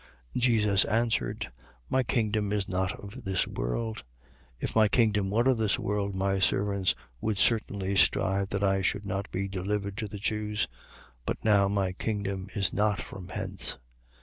18:36. Jesus answered: My kingdom is not of this world. If my kingdom were of this world, my servants would certainly strive that I should not be delivered to the Jews: but now my kingdom is not from hence.